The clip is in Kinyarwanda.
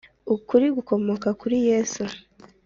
ukuri gukomoka kuri Yesu